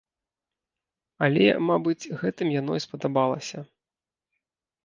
Але, мабыць гэтым яно і спадабалася.